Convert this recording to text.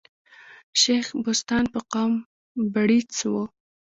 شېخ بُستان په قوم بړیڅ وو.